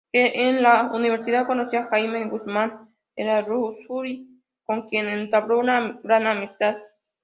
En la universidad conoció a Jaime Guzmán Errázuriz, con quien entabló una gran amistad.